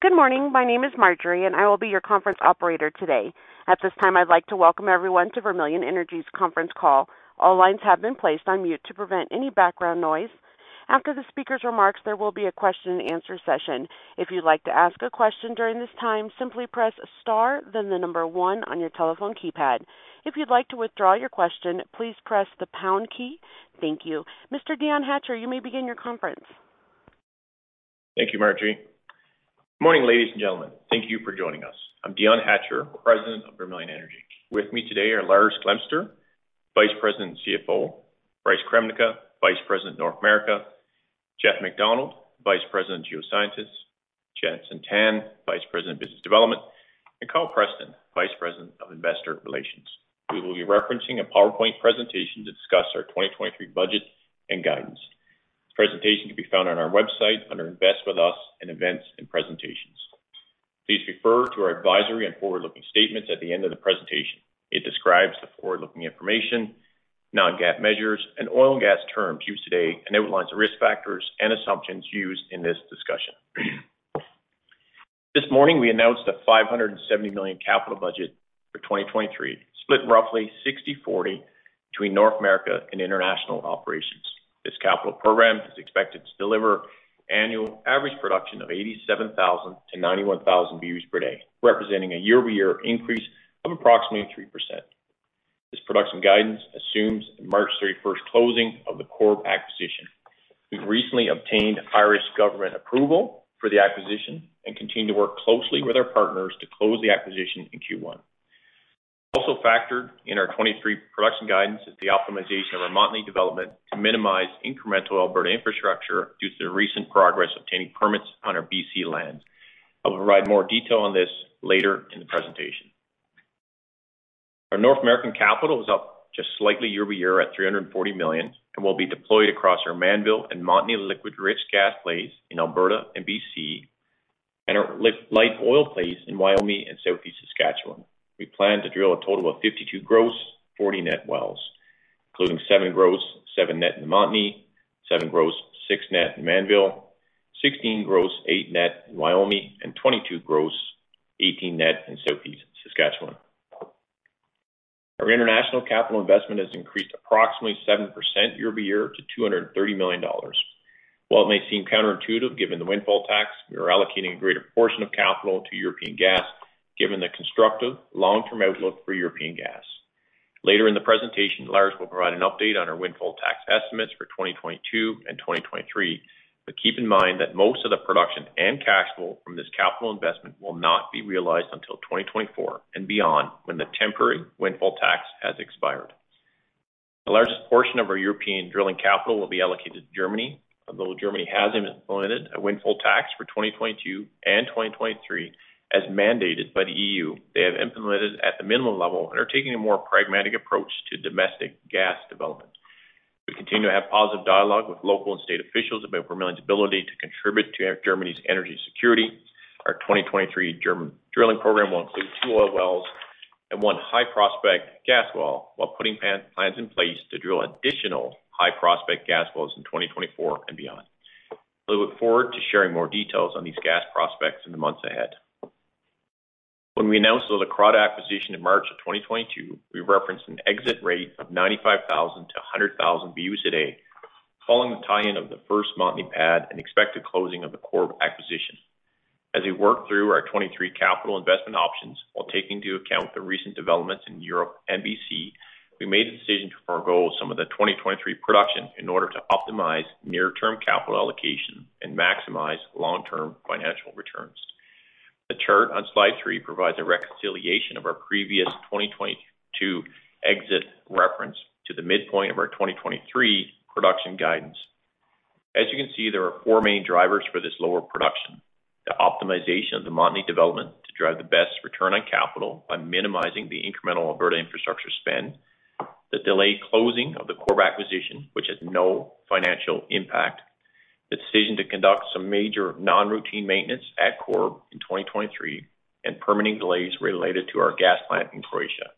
Good morning. My name is Marjorie. I will be your conference operator today. At this time, I'd like to welcome everyone to Vermilion Energy's conference call. All lines have been placed on mute to prevent any background noise. After the speaker's remarks, there will be a question and answer session. If you'd like to ask a question during this time, simply press Star, then the number one on your telephone keypad. If you'd like to withdraw your question, please press the pound key. Thank you. Mr. Dion Hatcher, you may begin your conference. Thank you, Marjorie. Good morning, ladies and gentlemen. Thank you for joining us. I'm Dion Hatcher, President of Vermilion Energy. With me today are Lars Glemser, Vice President and CFO, Bryce Krempien, Vice President, North America, Geoff MacDonald, Vice President, Geosciences, Jenson Tan, Vice President, Business Development, and Kyle Preston, Vice President of Investor Relations. We will be referencing a PowerPoint presentation to discuss our 2023 budget and guidance. This presentation can be found on our website under Invest with Us in Events and Presentations. Please refer to our advisory and forward-looking statements at the end of the presentation. It describes the forward-looking information, non-GAAP measures, and oil and gas terms used today, and outlines the risk factors and assumptions used in this discussion. This morning, we announced a $570 million capital budget for 2023, split roughly 60/40 between North America and international operations. This capital program is expected to deliver annual average production of 87,000 to 91,000 BOEs per day, representing a year-over-year increase of approximately 3%. This production guidance assumes the March 31st closing of the Corrib acquisition. We've recently obtained Irish government approval for the acquisition and continue to work closely with our partners to close the acquisition in Q1. Factored in our 2023 production guidance is the optimization of our Montney development to minimize incremental Alberta infrastructure due to the recent progress obtaining permits on our BC lands. I will provide more detail on this later in the presentation. Our North American capital is up just slightly year-over-year at 340 million and will be deployed across our Mannville and Montney liquids-rich gas plays in Alberta and BC, and our light oil plays in Wyoming and Southeast Saskatchewan. We plan to drill a total of 52 gross, 40 net wells, including seven gross, seven net in the Montney, seven gross, six net in Mannville, 16 gross, eight net in Wyoming, and 22 gross, 18 net in Southeast Saskatchewan. Our international capital investment has increased approximately 7% year-over-year to 230 million dollars. While it may seem counterintuitive given the windfall tax, we are allocating a greater portion of capital to European gas, given the constructive long-term outlook for European gas. Later in the presentation, Lars will provide an update on our windfall tax estimates for 2022 and 2023, but keep in mind that most of the production and cash flow from this capital investment will not be realized until 2024 and beyond when the temporary windfall tax has expired. The largest portion of our European drilling capital will be allocated to Germany. Although Germany has implemented a windfall tax for 2022 and 2023 as mandated by the EU, they have implemented at the minimum level and are taking a more pragmatic approach to domestic gas development. We continue to have positive dialogue with local and state officials about Vermilion's ability to contribute to Germany's energy security. Our 2023 German drilling program will include two oil wells and 1 high-prospect gas well while putting plans in place to drill additional high-prospect gas wells in 2024 and beyond. We look forward to sharing more details on these gas prospects in the months ahead. When we announced the Leucrotta Exploration acquisition in March of 2022, we referenced an exit rate of 95,000-100,000 BOEs a day, following the tie-in of the first Montney pad and expected closing of the Corrib acquisition. As we work through our 2023 capital investment options while taking into account the recent developments in Europe and BC, we made the decision to forego some of the 2023 production in order to optimize near-term capital allocation and maximize long-term financial returns. The chart on slide three provides a reconciliation of our previous 2022 exit reference to the midpoint of our 2023 production guidance. As you can see, there are four main drivers for this lower production. The optimization of the Montney development to drive the best return on capital by minimizing the incremental Alberta infrastructure spend, the delayed closing of the Corrib acquisition, which has no financial impact, the decision to conduct some major non-routine maintenance at Corrib in 2023, and permitting delays related to our gas plant in Croatia.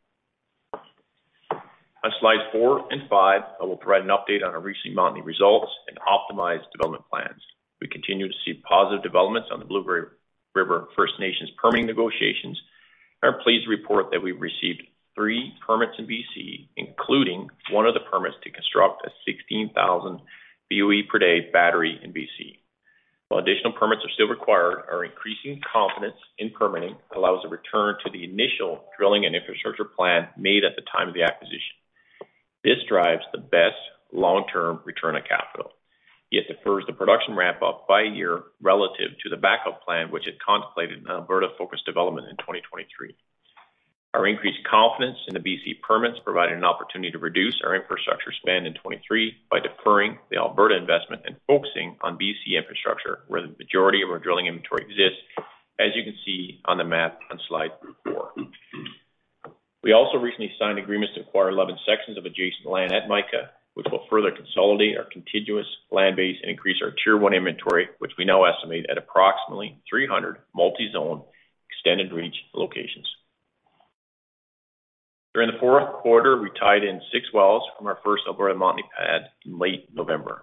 On slides four and five, I will provide an update on our recent Montney results and optimized development plans. We continue to see positive developments on the Blueberry River First Nations permitting negotiations, and are pleased to report that we've received three permits in BC, including one of the permits to construct a 16,000 BOE per day battery in BC. While additional permits are still required, our increasing confidence in permitting allows a return to the initial drilling and infrastructure plan made at the time of the acquisition. This drives the best long-term return on capital, yet defers the production ramp up by a year relative to the backup plan, which had contemplated an Alberta-focused development in 2023. Our increased confidence in the BC permits provided an opportunity to reduce our infrastructure spend in 2023 by deferring the Alberta investment and focusing on BC infrastructure, where the majority of our drilling inventory exists, as you can see on the map on slide four. We also recently signed agreements to acquire 11 sections of adjacent land at Mica, which will further consolidate our contiguous land base and increase our tier one inventory, which we now estimate at approximately 300 multi-zone extended reach locations. During the fourth quarter, we tied in 6 wells from our first Alberta Montney pad in late November.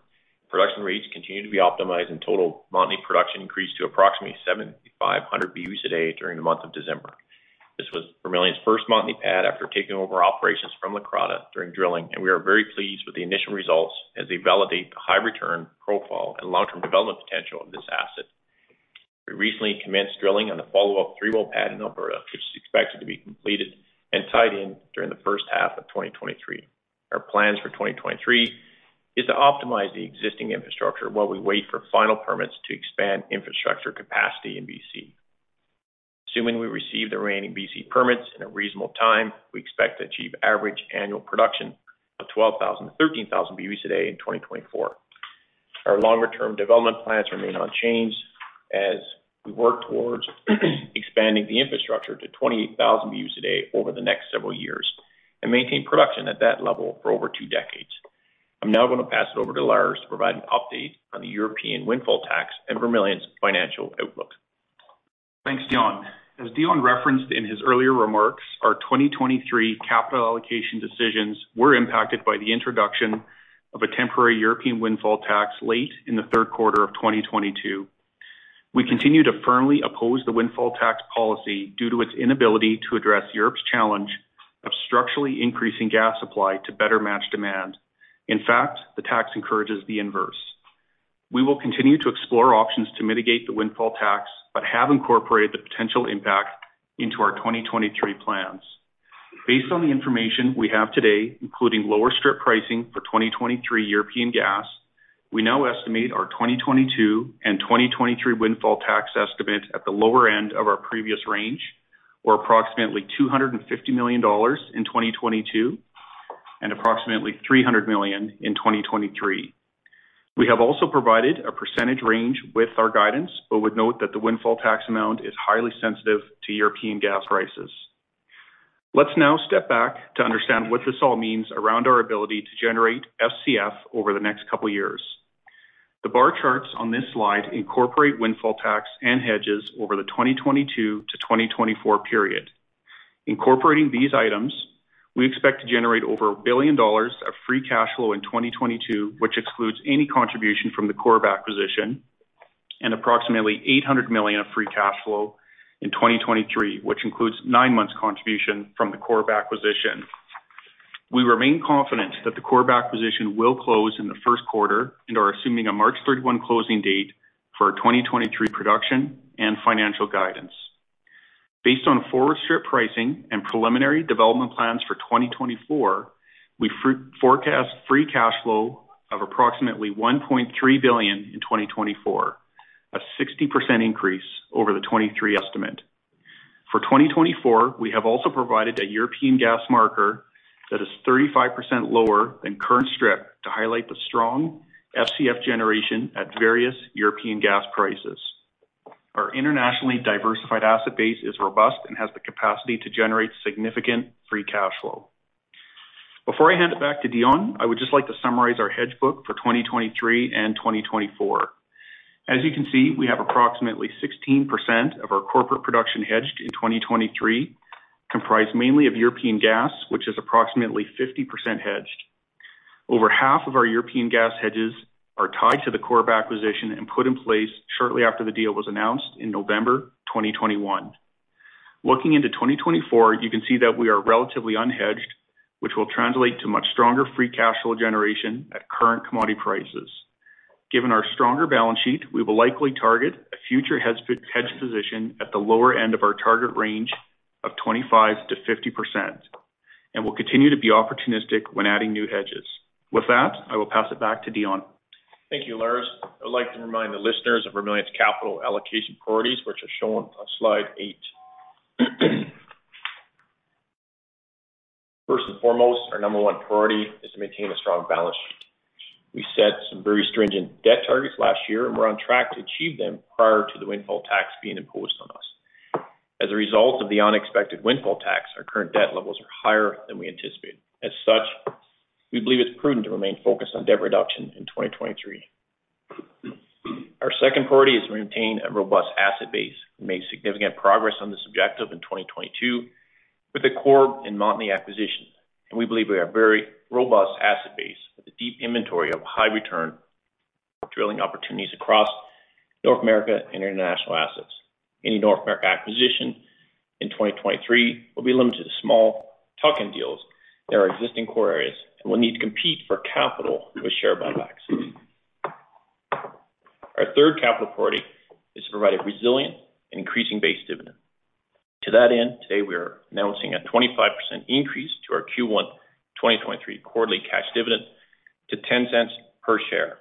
Production rates continued to be optimized and total Montney production increased to approximately 7,500 BOEs a day during the month of December. This was Vermilion's first Montney pad after taking over operations from Leucrotta during drilling, and we are very pleased with the initial results as they validate the high return profile and long-term development potential of this asset. We recently commenced drilling on the follow-up three-well pad in Alberta, which is expected to be completed and tied in during the first half of 2023. Our plans for 2023 is to optimize the existing infrastructure while we wait for final permits to expand infrastructure capacity in BC. Assuming we receive the remaining BC permits in a reasonable time, we expect to achieve average annual production of 12,000-13,000 BOEs a day in 2024. Our longer-term development plans remain unchanged as we work towards expanding the infrastructure to 28,000 BOEs a day over the next several years and maintain production at that level for over two decades. I'm now gonna pass it over to Lars to provide an update on the European windfall tax and Vermilion's financial outlook. Thanks, Dion. As Dion referenced in his earlier remarks, our 2023 capital allocation decisions were impacted by the introduction of a temporary European windfall tax late in the third quarter of 2022. We continue to firmly oppose the windfall tax policy due to its inability to address Europe's challenge of structurally increasing gas supply to better match demand. In fact, the tax encourages the inverse. We will continue to explore options to mitigate the windfall tax, but have incorporated the potential impact into our 2023 plans. Based on the information we have today, including lower strip pricing for 2023 European gas, we now estimate our 2022 and 2023 windfall tax estimate at the lower end of our previous range or approximately EUR 250 million in 2022 and approximately 300 million in 2023. We have also provided a percentage range with our guidance, but would note that the windfall tax amount is highly sensitive to European gas prices. Let's now step back to understand what this all means around our ability to generate FCF over the next couple years. The bar charts on this slide incorporate windfall tax and hedges over the 2022-2024 period. Incorporating these items, we expect to generate over $1 billion of free cash flow in 2022, which excludes any contribution from the Corrib acquisition, and approximately $800 million of free cash flow in 2023, which includes nine months contribution from the Corrib acquisition. We remain confident that the Corrib acquisition will close in Q1 and are assuming a March 31 closing date for our 2023 production and financial guidance. Based on forward strip pricing and preliminary development plans for 2024, we forecast free cash flow of approximately 1.3 billion in 2024, a 60% increase over the 2023 estimate. For 2024, we have also provided a European gas marker that is 35% lower than current strip to highlight the strong FCF generation at various European gas prices. Our internationally diversified asset base is robust and has the capacity to generate significant free cash flow. Before I hand it back to Dion, I would just like to summarize our hedge book for 2023 and 2024. As you can see, we have approximately 16% of our corporate production hedged in 2023, comprised mainly of European gas, which is approximately 50% hedged. Over half of our European gas hedges are tied to the Corrib acquisition and put in place shortly after the deal was announced in November 2021. Looking into 2024, you can see that we are relatively unhedged, which will translate to much stronger free cash flow generation at current commodity prices. Given our stronger balance sheet, we will likely target a future hedge position at the lower end of our target range of 25%-50% and will continue to be opportunistic when adding new hedges. I will pass it back to Dion. Thank you, Lars. I would like to remind the listeners of Vermilion's capital allocation priorities, which are shown on slide 8. First and foremost, our number 1 priority is to maintain a strong balance sheet. We set some very stringent debt targets last year, and we're on track to achieve them prior to the windfall tax being imposed on us. As a result of the unexpected windfall tax, our current debt levels are higher than we anticipated. As such, we believe it's prudent to remain focused on debt reduction in 2023. Our second priority is to maintain a robust asset base. We made significant progress on this objective in 2022 with the Corrib and Montney acquisitions, and we believe we have a very robust asset base with a deep inventory of high return drilling opportunities across North America and international assets. Any North America acquisition in 2023 will be limited to small tuck-in deals that are existing core areas and will need to compete for capital with share buybacks. Our third capital priority is to provide a resilient and increasing base dividend. To that end, today we are announcing a 25% increase to our Q1 2023 quarterly cash dividend to $0.10 per share,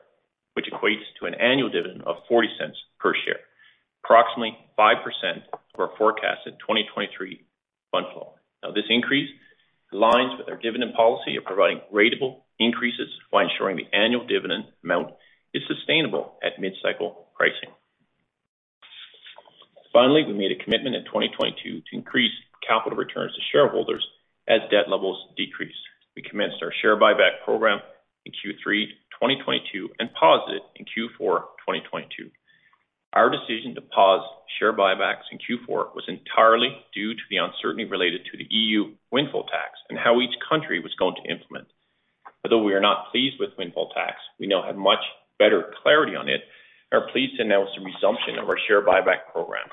which equates to an annual dividend of $0.40 per share, approximately 5% of our forecasted 2023 fund flow. This increase aligns with our dividend policy of providing ratable increases while ensuring the annual dividend amount is sustainable at mid-cycle pricing. We made a commitment in 2022 to increase capital returns to shareholders as debt levels decrease. We commenced our share buyback program in Q3 2022 and paused it in Q4 2022. Our decision to pause share buybacks in Q4 was entirely due to the uncertainty related to the EU windfall tax and how each country was going to implement. Although we are not pleased with windfall tax, we now have much better clarity on it, and are pleased to announce the resumption of our share buyback program.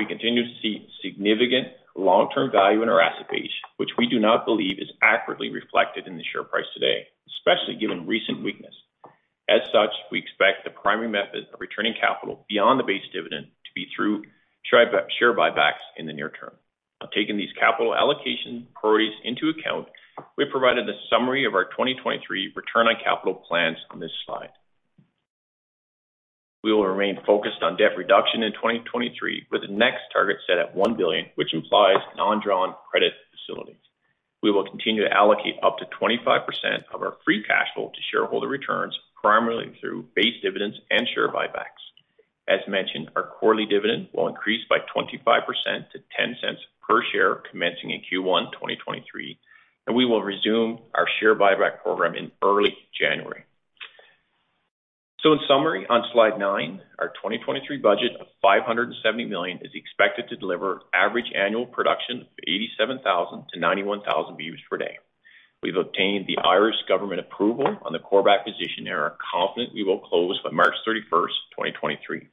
We continue to see significant long-term value in our asset base, which we do not believe is accurately reflected in the share price today, especially given recent weakness. As such, we expect the primary method of returning capital beyond the base dividend to be through share buybacks in the near term. Taking these capital allocation priorities into account, we have provided a summary of our 2023 return on capital plans on this slide. We will remain focused on debt reduction in 2023, with the next target set at 1 billion, which implies non-drawn credit facilities. We will continue to allocate up to 25% of our free cash flow to shareholder returns, primarily through base dividends and share buybacks. As mentioned, our quarterly dividend will increase by 25% to 0.10 per share commencing in Q1 2023. We will resume our share buyback program in early January. In summary, on slide 9, our 2023 budget of $570 million is expected to deliver average annual production of 87,000-91,000 BOE per day. We've obtained the Irish government approval on the Corrib position. We are confident we will close by March 31st, 2023.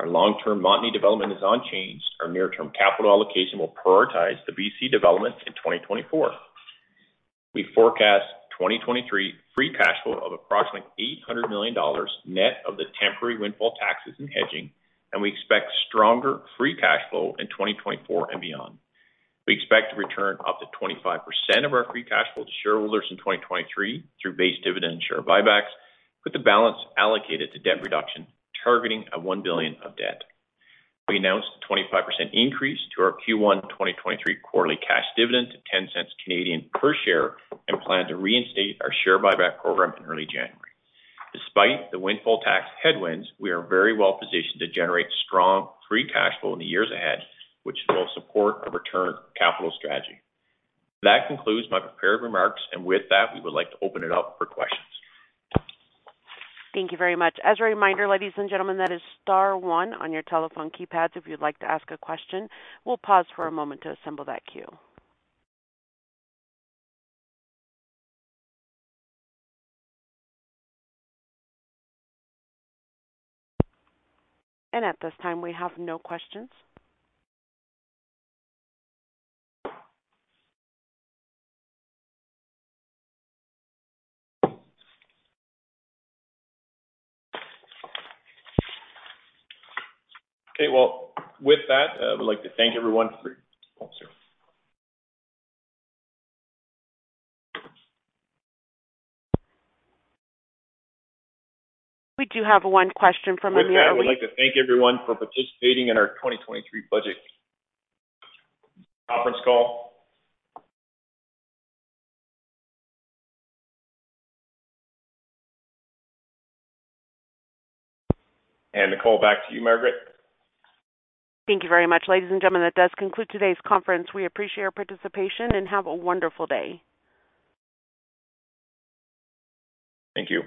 Our long-term Montney development is unchanged. Our near-term capital allocation will prioritize the BC developments in 2024. We forecast 2023 free cash flow of approximately 800 million dollars, net of the temporary windfall taxes and hedging. We expect stronger free cash flow in 2024 and beyond. We expect to return up to 25% of our free cash flow to shareholders in 2023 through base dividend share buybacks, with the balance allocated to debt reduction, targeting a 1 billion of debt. We announced a 25% increase to our Q1 2023 quarterly cash dividend to 0.10 per share and plan to reinstate our share buyback program in early January. Despite the windfall tax headwinds, we are very well positioned to generate strong free cash flow in the years ahead, which will support a return capital strategy. That concludes my prepared remarks, and with that, we would like to open it up for questions. Thank you very much. As a reminder, ladies and gentlemen, that is star one on your telephone keypads if you'd like to ask a question. We'll pause for a moment to assemble that queue. At this time, we have no questions. Okay. Well, with that, I would like to thank everyone for We do have one question from a line. With that, I would like to thank everyone for participating in our 2023 budget conference call. The call back to you, Marjorie. Thank you very much. Ladies and gentlemen, that does conclude today's conference. We appreciate your participation, and have a wonderful day. Thank you.